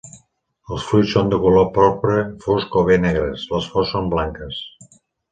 Els fruits són de color porpra fosc o bé negres, les flors són blanques.